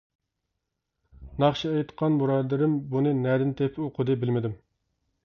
ناخشا ئېيتقان بۇرادىرىم بۇنى نەدىن تېپىپ ئوقۇدى، بىلمىدىم.